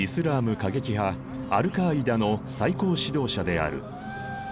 過激派アルカーイダの最高指導者である。